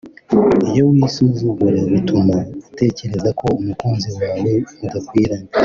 Iyo wisuzugura bituma utekereza ko umukunzi wawe mudakwiranye